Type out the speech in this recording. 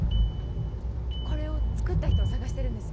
これを作った人を捜してるんです。